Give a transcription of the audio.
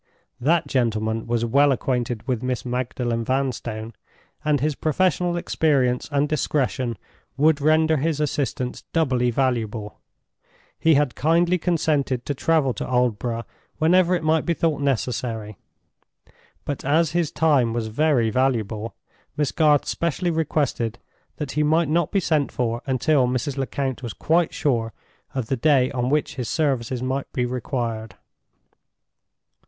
That gentleman was well acquainted with Miss Magdalen Vanstone, and his professional experience and discretion would render his assistance doubly valuable. He had kindly consented to travel to Aldborough whenever it might be thought necessary. But as his time was very valuable, Miss Garth specially requested that he might not be sent for until Mrs. Lecount was quite sure of the day on which his services might be required.